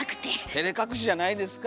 てれ隠しじゃないですか？